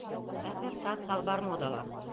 Хәҙер тар салбар модала.